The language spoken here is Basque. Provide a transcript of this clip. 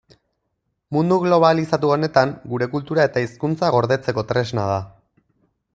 Mundu globalizatu honetan gure kultura eta hizkuntza gordetzeko tresna da.